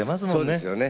そうですよね。